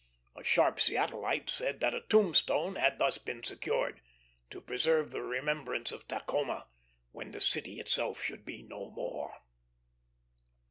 A sharp Seattleite said that a tombstone had thus been secured, to preserve the remembrance of Tacoma when the city itself should be no more.